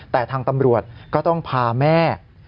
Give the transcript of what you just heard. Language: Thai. แต่ทางตำรวจก็ต้องพาแม่